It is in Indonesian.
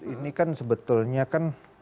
ini kan sebetulnya kan